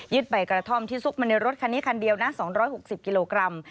ใบกระท่อมที่ซุกมาในรถคันนี้คันเดียวนะ๒๖๐กิโลกรัม